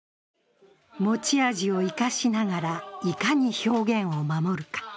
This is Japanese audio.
持ち味を生かしながら、いかに表現を守るか。